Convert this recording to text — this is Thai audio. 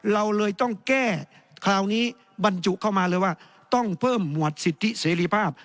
เราเลยต้องแก้คราวนี้บรรจุเข้ามาเลยว่าต้องเพิ่มหมวดสิทธิเสรีภาพ